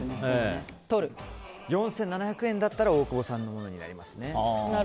４７００円だったら大久保さんのものになりますね。